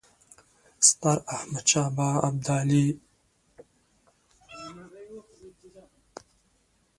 ستراحمدشاه ابدالي ځواکمن و.